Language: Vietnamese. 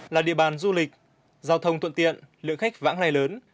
là địa bàn du lịch giao thông thuận tiện lượng khách vãng lai lớn